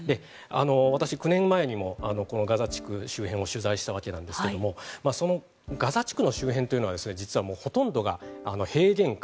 私９年前にもこのガザ地区周辺を取材したわけなんですけれどもそのガザ地区の周辺というのは実はもうほとんどが平原化